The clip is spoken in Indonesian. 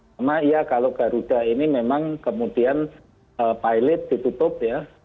karena ya kalau garuda ini memang kemudian pilot ditutup ya